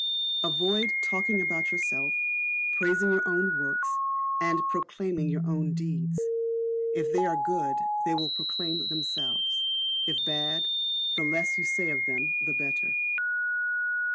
Avoid talking about yourself, praising your own works, and proclaiming your own deeds. If they are good they will proclaim themselves, if bad, the less you say of them the better.